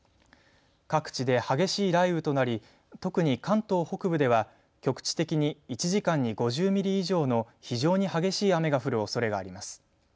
各地で激しい雷雨となり特に関東北部では局地的に１時間に５０ミリ以上の非常に激しい雨が降るおそれがあります。